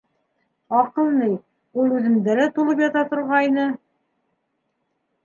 Аҡыл ни, ул үҙемдә лә тулып ята торғайны.